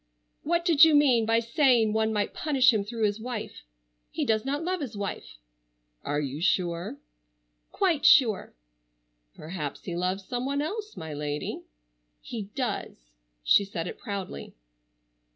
"What did you mean by saying one might punish him through his wife? He does not love his wife." "Are you sure?" "Quite sure." "Perhaps he loves some one else, my lady." "He does." She said it proudly.